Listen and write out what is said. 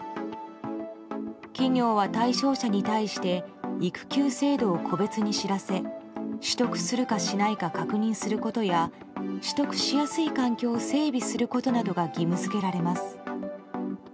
企業は対象者に対して育休制度を個別に知らせ取得するかしないか確認することや取得しやすい環境を整備することなどが義務付けられます。